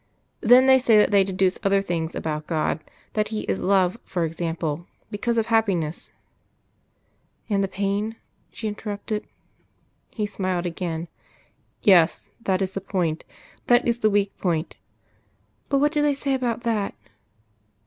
Then they say that they deduce other things about God that He is Love, for example, because of happiness " "And the pain?" she interrupted. He smiled again. "Yes. That is the point that is the weak point." "But what do they say about that?"